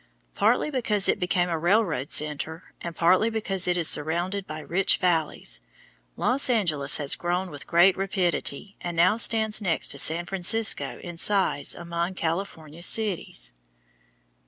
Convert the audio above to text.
Partly because it became a railroad centre, and partly because it is surrounded by rich valleys, Los Angeles has grown with great rapidity and now stands next to San Francisco in size among California cities.